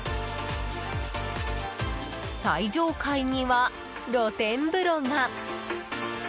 最上階には露天風呂が！